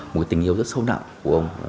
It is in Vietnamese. một tình yêu rất sâu nặng của ông